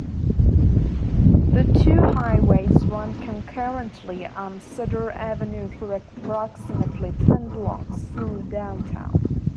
The two highways run concurrently on Cedar Avenue for approximately ten blocks through downtown.